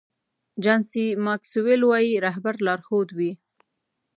جان سي ماکسویل وایي رهبر لارښود وي.